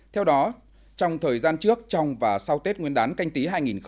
theo đó trong thời gian trước trong và sau tết nguyên đán canh tí hai nghìn hai mươi